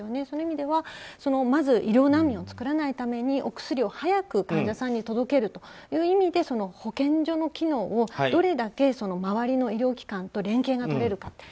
そういう意味ではまず、医療難民を作らないためにお薬を早く患者さんに届けるという意味で保健所の機能をどれだけ周りの医療機関と連携がとれるか。